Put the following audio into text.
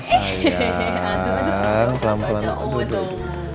sayang pelan pelan duduk